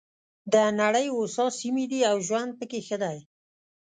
د نړۍ هوسا سیمې دي او ژوند پکې ښه دی.